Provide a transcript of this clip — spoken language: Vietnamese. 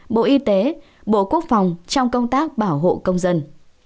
bộ y tế bộ quốc phòng trong công tác bảo hộ công dân